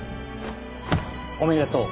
おめでとう。